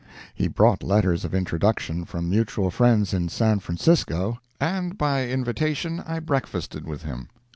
He brought letters of introduction from mutual friends in San Francisco, and by invitation I breakfasted with him.